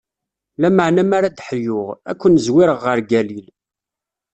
Lameɛna mi ara ad d-ḥyuɣ, ad ken-zwireɣ ɣer Galil.